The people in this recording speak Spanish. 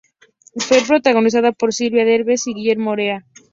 Fue protagonizada por Silvia Derbez y Guillermo Orea.